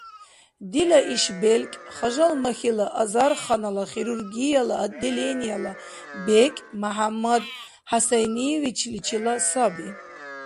Дила иш белкӀ Хажалмахьила азарханала хирургияла отделениела бекӀ МяхӀяммад ХӀясайниевичличила саби.